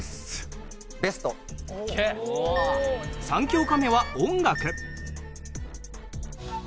３教科目は音楽。